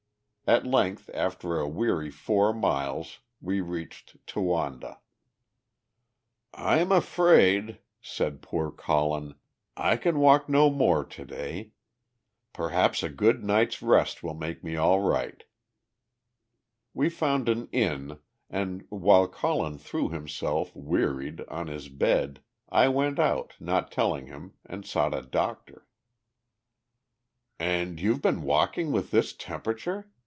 At length, after a weary four miles, we reached Towanda. "I'm afraid," said poor Colin, "I can walk no more to day. Perhaps a good night's rest will make me all right." We found an inn, and while Colin threw himself, wearied, on his bed, I went out, not telling him, and sought a doctor. "And you've been walking with this temperature?"